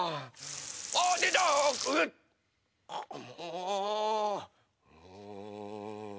うん。